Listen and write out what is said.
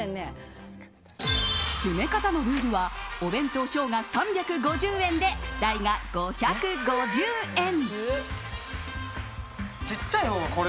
詰め方のルールはお弁当小が３５０円で大が５５０円。